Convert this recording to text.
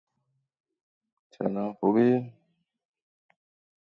An important example of a solvmanifolds are Inoue surfaces, known in complex geometry.